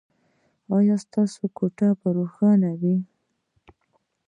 ایا ستاسو کوټه به روښانه وي؟